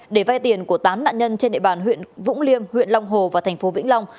để vai tiền của tám nạn nhân trên địa bàn huyện vũng liêm huyện long hồ và tp vĩnh long